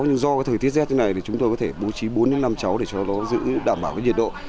nhưng do cái thời tiết rét thế này thì chúng tôi có thể bố trí bốn năm cháu để cho nó giữ đảm bảo cái nhiệt độ